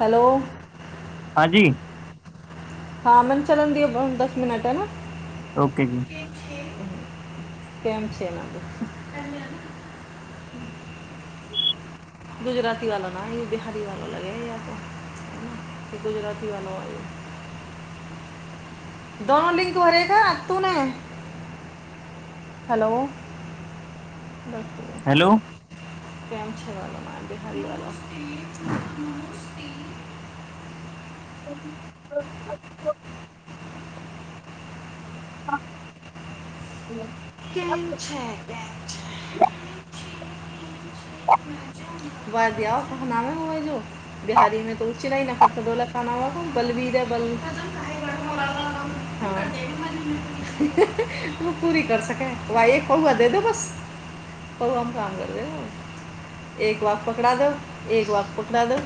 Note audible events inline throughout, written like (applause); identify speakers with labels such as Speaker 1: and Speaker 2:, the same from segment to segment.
Speaker 1: हलो
Speaker 2: हँ जी
Speaker 1: हँ मन चलन दिये दस मिनट है ना
Speaker 2: ओके जी
Speaker 1: केम छै न गुजराती वाला न य बिहारी वाले लगे हय येत त गुजराती वालो व य दोनो लिंक भरेगा तूने हेलो
Speaker 2: हेलो
Speaker 1: हम बे हाल लल
Speaker 2: ह
Speaker 1: केन छैन छै बाज द कहनामे है जो बिहारी मे तो उ चलयी न करत बोल खाना हा को पल्वीर बल हँ ओ पूरी कर सक भाइ एक पौआ दे दो बस। एक बार पकड़ा जाउ, एक बार पकड़ा जाउ।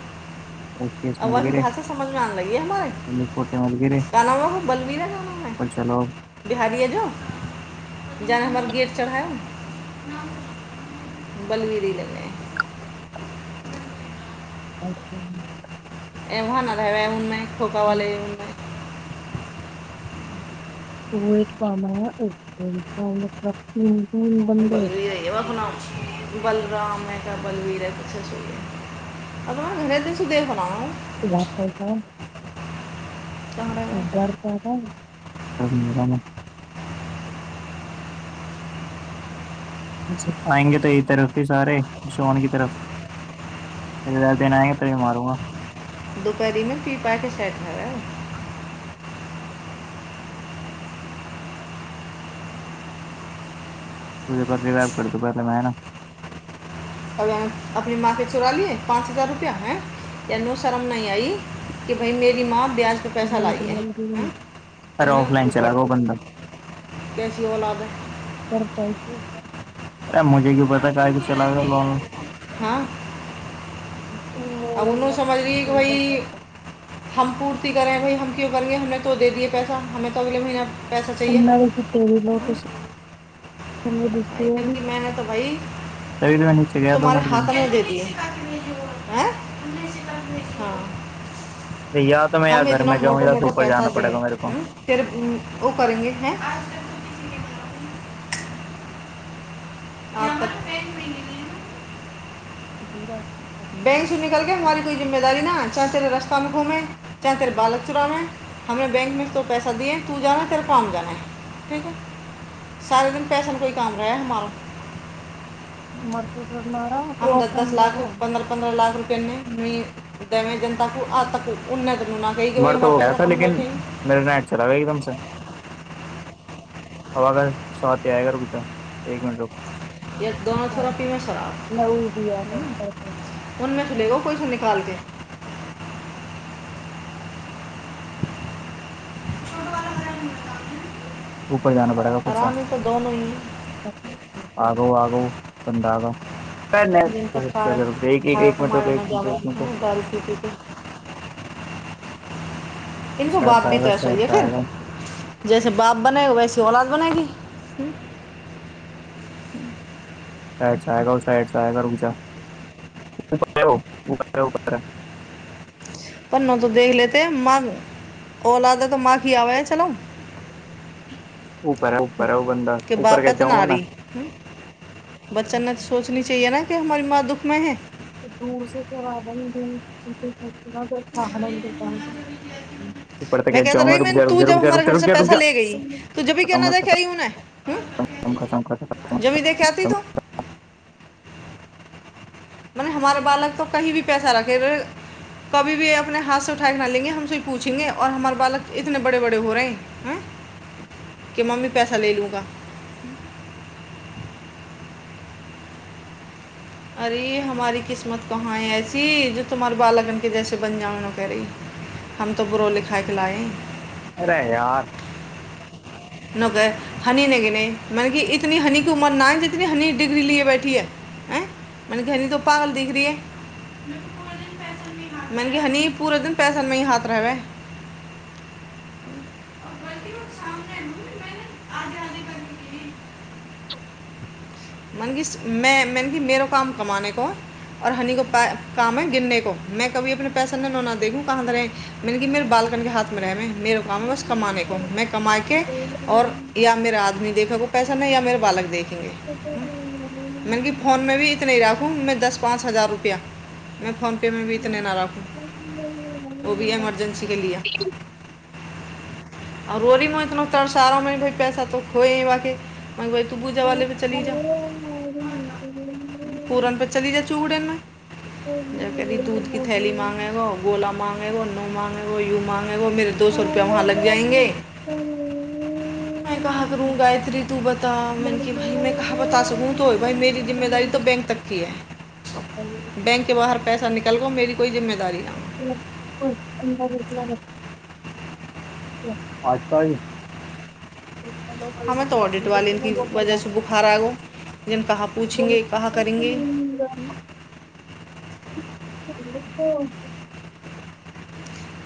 Speaker 2: केस मिल गए
Speaker 1: अवधी
Speaker 2: रे
Speaker 1: भाषा समझमे आने लगी है हमे
Speaker 2: जल्दी फोटे
Speaker 1: हमारे यहाँ बलबीरा गाना है ना
Speaker 2: पंचपल्लब।
Speaker 1: बिहारिए जाउ जायब हमर गेट चढ़ायब बलबिरी लगाय।
Speaker 2: अच्छा जी।
Speaker 1: ए वहाँ नधाया उनमे खोक वाले उनमे
Speaker 2: रोड बाला एकदम सोनपत्ती।
Speaker 1: बलबीर बाला गाना छैय बलबीर नै त बलराम पाछां सुनैय छियैय। मैं दिन से देख रहा हूँ। कहाँ रह
Speaker 2: (unintelligible)
Speaker 1: गया
Speaker 2: (unintelligible) आएंगे तो एक तरफ ही सारे, सोहन के तरफ दिन आएंगे तभी मारूंगा।
Speaker 1: दोपहरी में पी-पाके सेट है।
Speaker 2: मुझे बस रिवाइज करदो बाकी सब है ना।
Speaker 1: कले अपने माँके चोरा लिये पाँच हजार रुपया आएं एनू शर्म नहि आई कि भई मेरी माँ ब्याज पे पैसा लाई है हैं? तो
Speaker 2: अरे
Speaker 1: मैं
Speaker 2: ऑफलाइन
Speaker 1: ऊपर
Speaker 2: चला गओ बन्दा।
Speaker 1: कैसी औलाद है
Speaker 2: पंचायती गया लॉन
Speaker 1: हँ
Speaker 2: तीन
Speaker 1: आ उ नै
Speaker 2: लोग
Speaker 1: समझलियै कि भइ हम पूर्ति करेबैय हम क्यो करियैय हमने तो देय दिए पैसा हमे त अगले महीना पैसा चाहिए।
Speaker 2: उन्होंने तेरी लोटस हमें दूसरी वाली
Speaker 1: मैंने तो भई
Speaker 2: तभी तो मैं नीचे गया दो
Speaker 1: तुम्हारे
Speaker 2: मिनट के
Speaker 1: हाथ में दे दिए। हाँ
Speaker 2: तैयार
Speaker 1: हम इतना मोटे-मोटे पैसा दें
Speaker 2: मेरे को
Speaker 1: फिर वो करेंगे हैं आफत
Speaker 2: इ फिर आए।
Speaker 1: बैंकसे निकलके हमारी कोइ जिम्मेदारी ना चाहे तेरे रास्तामे घूमे चाहे तेरे बालक चोराबें, हमने बैंकमे से तो पैसा दिए तू जा कांम्फर्म कर ठीक है सारे दिन पैसन के ही काम रहैय हमारो।
Speaker 2: मरते सर मारा तो
Speaker 1: हम दस-दस
Speaker 2: ऑफलाइन
Speaker 1: लाख
Speaker 2: मारा
Speaker 1: पन्द्रह-पन्द्रह लाख रुपया पेमेंट भी देबैय जनता को आ तक उन्नत
Speaker 2: भर तो वो गया था लेकिन मेरे नेट चला गया एकदम से एक मिनट रूक।
Speaker 1: (unintelligible) ये दोनों थेरेपी में सराब है
Speaker 2: मैं उड़ भी आता हूँ करते
Speaker 1: उनमें से लेले कोई सा भी चल दे। छोटवला लेने मैं जा रहा हूँ
Speaker 2: ऊपर जाना पड़ेगा खुद से
Speaker 1: हैं,
Speaker 2: आगउ-आगउ पंडा आ गउ
Speaker 1: जिनका खाए
Speaker 2: नहि-नहि
Speaker 1: खाए
Speaker 2: एक मिनट
Speaker 1: कमाया
Speaker 2: रूक-एक
Speaker 1: ना जावा
Speaker 2: मिनट रूक
Speaker 1: हम्म, दारू पी पी के (unintelligible) इनके
Speaker 2: साइड
Speaker 1: बात
Speaker 2: से
Speaker 1: भी
Speaker 2: आएगा
Speaker 1: थोड़ा सुन
Speaker 2: साइड
Speaker 1: ले
Speaker 2: से
Speaker 1: फिर
Speaker 2: आएगा
Speaker 1: जैसे बाप बनेगा वैसे औलाद बनेगी। हूँ
Speaker 2: सा चाय गर्म चाय - (unintelligible)
Speaker 1: पनो तऽ देख लेते म ओऔला त तऽ माखी आबै चलो
Speaker 2: ऊपर है ऊपर है वो बंदा
Speaker 1: के
Speaker 2: ऊपर
Speaker 1: बापे
Speaker 2: कैसे
Speaker 1: तऽ
Speaker 2: जाऊंगा
Speaker 1: नारी
Speaker 2: मैं
Speaker 1: बच्चन न सोचनी चाहिए न कि हमारी माँ दुःखमें है
Speaker 2: (unintelligible) ऊपर
Speaker 1: (unintelligible)
Speaker 2: तक
Speaker 1: में
Speaker 2: कैसे
Speaker 1: कहता
Speaker 2: जाऊं मैं
Speaker 1: रहाी मै
Speaker 2: रुक जा रुक
Speaker 1: तू
Speaker 2: जा
Speaker 1: जब
Speaker 2: रुक जा
Speaker 1: हमारे
Speaker 2: रुक जा
Speaker 1: घर
Speaker 2: रुक
Speaker 1: से
Speaker 2: जा रुक
Speaker 1: पैसा
Speaker 2: जा
Speaker 1: ले गई तू ज भी
Speaker 2: खत्म
Speaker 1: केना
Speaker 2: है
Speaker 1: देखेई
Speaker 2: खत्म
Speaker 1: हने ह
Speaker 2: खत्म खत्म खत्म
Speaker 1: जमी देख के आती
Speaker 2: खत्म।
Speaker 1: तू मने हमारे बालक तो कही भी पैसा रखे रह कभी भी अपने हाथ से उठाके के न लेंगे हमसो पूछेंगेऔ हमार बालक इतने बड़े बड़े हो रहेै ह के मम्मी पैसा ले लूंगा अरे हमारी किस्मत कहाँ है ऐसी जो तुम्हारे बालगन के जैसे बन जाउ न क रही हम तो बरो लिखाएके लाए
Speaker 2: अरे यार
Speaker 1: न कह हनी नहि गिनी मने कि इतनी हनी क उमर न जे इतनी हनी डिग्री लिए बैठी है आँ मने घनी तो पागल दिख रीह मने क ह पूरा दिन पैसनमे हाथ रहबै साम रहै मम्मी आधे आधे करी मने की मने की मेरो काम कमााने को औ हनी को प काम ह गिनने को में कभी अपने पैसा न नौना देू कहाँ ध रहे मने मेर बाल करके हाथ मे रह मे मेेरो काम ह बस कमााने को में कमाके आऔ या मेर आदमीे देख को पैसा नहि य मे बालक देखेंगे मने कि फोन मे भी इतने राखू दस पाँच हजार रुपैआमे में फोन पे मे भी इतने ना राखू ओ भी एमरजेन्सी के लिए आर रोरीमे इतना तड़सार पैसा तो खो बा भ तू पूजा वाले पे चल जा परन पे चली जा चूड़ेमे जी दूधी थैली माँंगेगा गोला माँंग न मांग यू मांगेगो द सए रुप वहाँ लग जाएंगे मैं कह करू गायत्री तू बता मैने कि भं कह बता सकू त भरी जिम्मेदारी बैंक तक की है बैंक के बाहर पैसा निकल गो मेेरी कोइ जिम्मेदारी नहि
Speaker 2: (inaudible) आर त
Speaker 1: हमे तो ऑडिट वाले इ क वजहसँ बुखार आगो हम कहाँ पूछेंगे कहाँ करेंगे
Speaker 2: ठ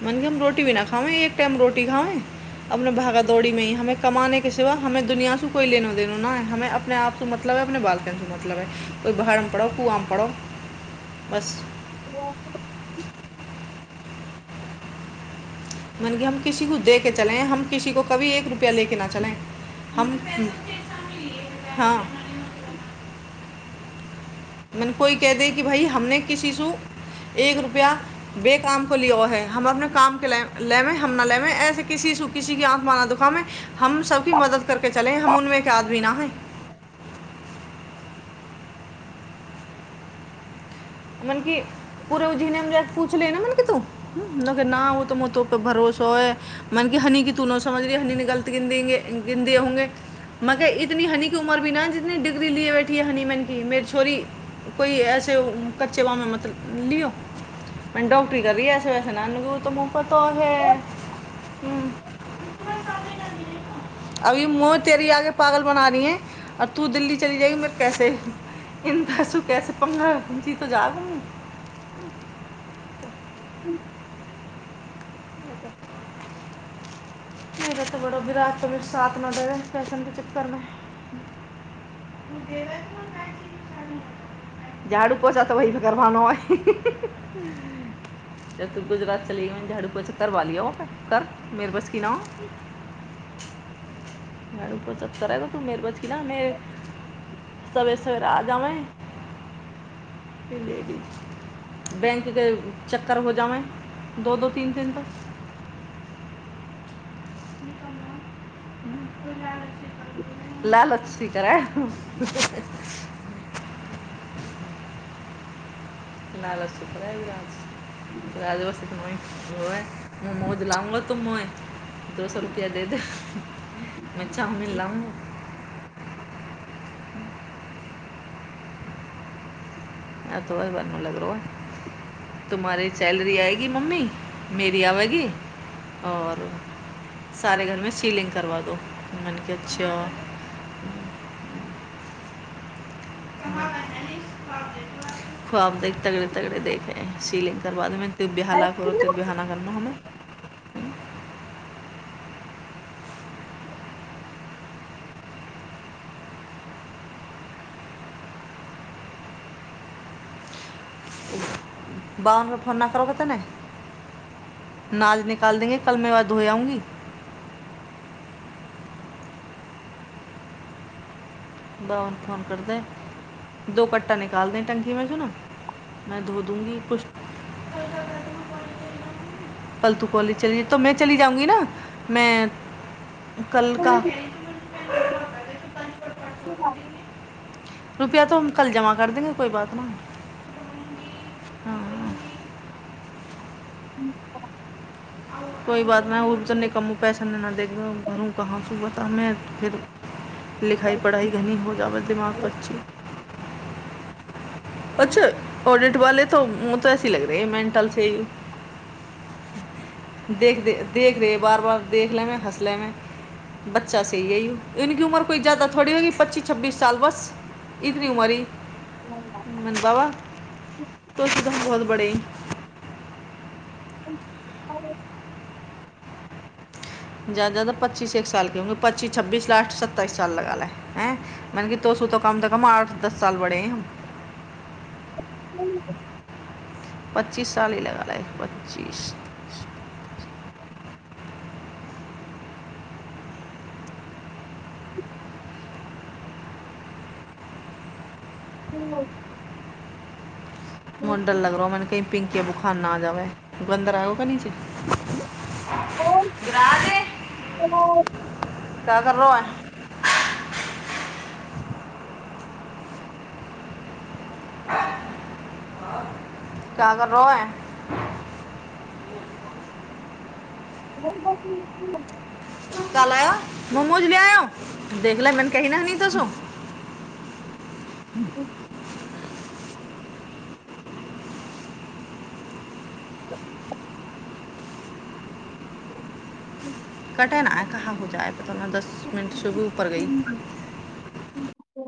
Speaker 1: मन क हम रोटी भ न खाए एक टाइम रोटी खाए अपने भागादौड़ी मे ही हमे कमााने के सिवा हमे दुनियासँ कोइ लेनो देनो न ह हममे अपनेपसँ मतलब अपने बालकन मतलब कोइ बहरमे पढ़ो कुआमे पढ़ो बस
Speaker 2: ह
Speaker 1: मने कि हम किसी को दे के चले हम किसी को कभी एक रुपैआ ल के ना चले हम हँ मने कोइ कह दे कि भइ हम ने किसीसँ एक रुपआ बे काम को लिय ओ है हम अपने काम लेबे हम न लेबे ऐसे किसी किसी आत्मा ना दुखामे हम सभी मदद करके चले हम उमे एक आद भी नै मने कि पूुर झम पूछ ले न मने की तू न ओ तो तो पे भरोसो है मन कि हनी की तू न समझ ग नी ने गलत गिन गिनदे होंगे मगर इतनी हनी क उमर भी न जितनी डग्री लि बैठी है हनी मन की मेर छोरी कोइ ऐसे कच्चे वाममे मत लियौ मडॉकटरी करीऐसे वैसे नन गू तऽ मुफतो हे ह्म अभी मोह तेरी आगे पागल बना री है आ तू दिल्ली चली जायगी मे कैसे इ बसू कैसे पा जी त जाग मेरा तऽ बड़ो विराट क वि साथमे दे रह फैशन चकरमे ह देवस म कह छी चान झाड़ू पोछा तऽ वहि से करवानो है जब तू गुजरात चल झाड़ूपोछा च करवा लियिया कर मेर बस की नहै झारू पोछा करि मेरे वश का ना हअ सवेर सवेर आ जाबै ले ली बैंकके चक्कर हो जाबै दो दो तीन दिन तक क कह लालची करेह (inaudible) लस पै त बासे सुनो ओ मौज लबल तू म दो सौ रुपआ दे दे मे चाउमिन लाउ (unintelligible) तुम्हारे सैलरी आएगी मम्मी मेरी आवेगी ओर सारे घरमे सीलिंग करवा दो मने क अच्छा (inaudible) खुआब देख तगड़े तगड़े देखे है सीलिंग करबादमे तर बिहाला करू तर बिहाना करना ह बओनमे फोनना कर तने नाज निकाल देेंगे कलमे वेधो हो आऊगी बन फोन कर द दो क्टा निकाल द टंकी मे ने मै धो दूंगी पु पलतू कॉलेज चल तऽ मैं चली जाऊगी न मैं कलका
Speaker 2: (unintelligible)
Speaker 1: रुपया तऽ हम कल जमा कर देंगे कोई बात नही कोई बात नहि ओ त निकमू पैसे नहि न नहि दे घरू कहाँ सु तऽमे फिर लिखाई पढ़ाई घनी हो जाबै दिमाग पर अच्ची अच्छा ऑडिट वाले त मु तऽ ऐसे लग रहे ह मेंटल से देख देख देख रहे बार बार देख लेमे हँस लेहे बच्चा सी यी इन क उमर कोई जादा थोड़ी होगी पच्चीस छब्बीस साल बस ई तनी उमारी मनता वा तोस त बहुत बड़े
Speaker 2: (unintelligible)
Speaker 1: जादा से जादा पच्चीस एक साल क पच्चीस छब्बीस लास्ट सत्तइस साल लगा ला हैं मने कि तो तू त कम त कम आठ दस साल बढ़े पच्चीस साल ही लगा लै पच्चीस
Speaker 2: हू
Speaker 1: मोडर लग रहो म कही पिंकि बुखाना आ जावै गन्दर आगो कनी च ग्राह दे क्य करलो अ (inaudible) क्य कर रहो होए
Speaker 2: ब ब
Speaker 1: कल आयो मोमोज लिआयो देख ले मन कहहि ने हनी तसो
Speaker 2: (inaudible) (unintelligible)
Speaker 1: कटे नय कहाँ हो जाए पता न दस मिनट सुबह ऊपर गई